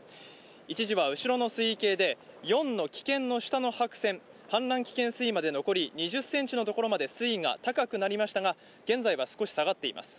一時は後ろの水位計で４の危険の下の白線、氾濫危険水位まで残り２０ｃｍのところまで水位が高くなりましたが現在は少し下がっています。